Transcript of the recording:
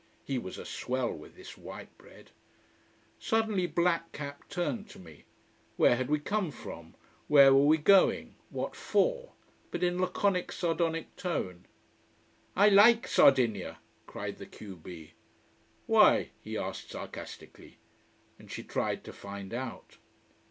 He was a swell with this white bread. Suddenly black cap turned to me. Where had we come from, where were we going, what for? But in laconic, sardonic tone. "I like Sardinia," cried the q b. "Why?" he asked sarcastically. And she tried to find out.